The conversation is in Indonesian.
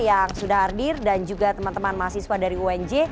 yang sudah hadir dan juga teman teman mahasiswa dari unj